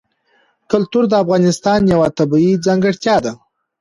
کلتور د افغانستان یوه طبیعي ځانګړتیا ده.